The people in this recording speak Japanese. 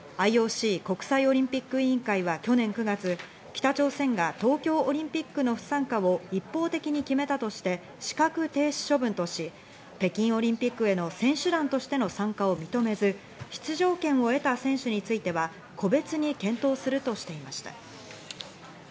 ＩＯＣ＝国際オリンピック委員会は去年９月、北朝鮮が東京オリンピックの不参加を一方的に決めたとして資格停止処分とし、北京オリンピックへの選手団としての参加を認めず、出場権を得た選手については個別に検討するとしていました。